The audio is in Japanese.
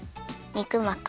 肉まく？